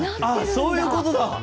あっそういうことだ！